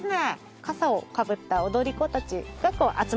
笠をかぶった踊り子たちが集まってね